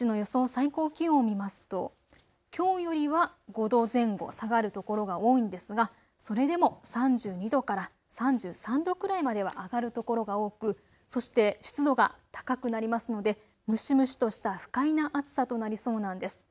最高気温を見ますときょうよりは５度前後下がる所が多いんですがそれでも３２度から３３度くらいまでは上がる所が多くそして湿度が高くなりますので蒸し蒸しとした不快な暑さとなりそうなんです。